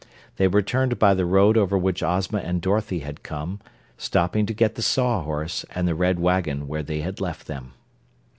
They returned by the road over which Ozma and Dorothy had come, stopping to get the Sawhorse and the Red Wagon where they had left them.